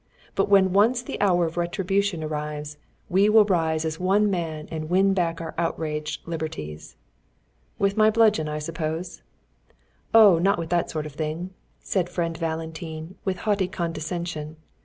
But when once the hour of retribution arrives, we will rise as one man and win back our outraged liberties." "With my bludgeon, I suppose?" "Oh, not with that sort of thing," said friend Valentine, with haughty condescension.